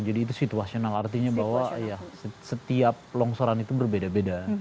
jadi situasional artinya bahwa setiap longsoran itu berbeda beda